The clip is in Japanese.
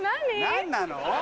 何なの？